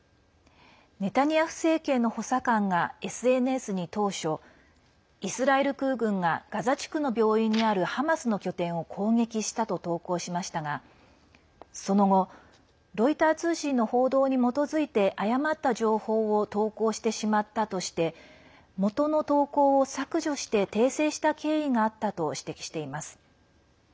ネタニヤフ政権の補佐官がＳＮＳに、当初イスラエル空軍がガザ地区の病院にあるハマスの拠点を攻撃したと投稿しましたがその後ロイター通信の報道に基づいて誤った情報を投稿してしまったとして元の投稿を削除して訂正した経緯があったと指摘しています。